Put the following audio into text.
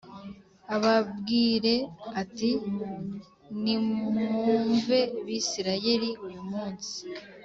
ababwire ati Nimwumve Bisirayeli uyu munsi